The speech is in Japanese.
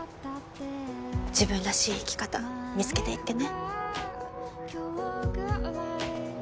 自分らしい生き方見つけていってね